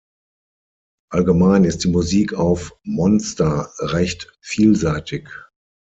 Allgemein ist die Musik auf "Monster" recht vielseitig.